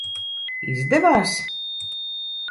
Izdevās?